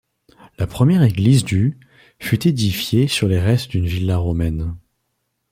La première église du fut édifiée sur les restes d'une villa romaine.